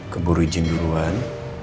keburu izin duluan